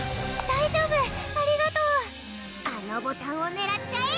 大丈夫ありがとうあのボタンをねらっちゃえ！